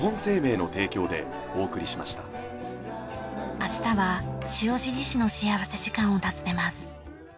明日は塩尻市の幸福時間を訪ねます。